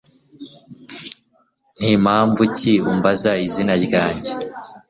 ni mpamvu ki umbaza izina ryanjye